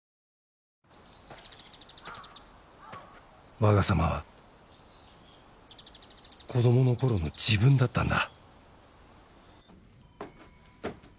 わが様は子供のころの自分だったんだ